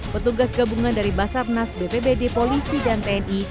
petugas gabungan dari basarnas bpbd polisi dan tni